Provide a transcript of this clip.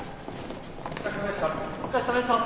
・お疲れさまでした。